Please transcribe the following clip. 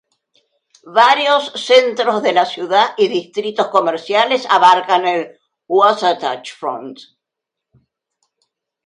Varios centro de la ciudad y distritos comerciales abarcan el Wasatch Front.